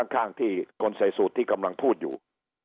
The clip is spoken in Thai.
ข้างที่คนใส่สูตรที่กำลังพูดอยู่